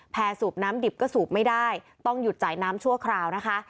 สูบน้ำดิบก็สูบไม่ได้ต้องหยุดจ่ายน้ำชั่วคราวนะคะ